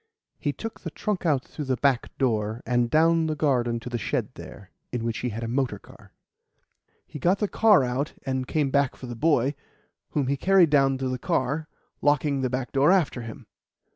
He took the trunk out through the back door and down the garden to the shed there, in which he had a motor car. He got the car out and came back for the boy, whom he carried down to the car, locking the back door after him.